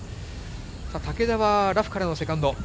竹田は、ラフからのセカンド。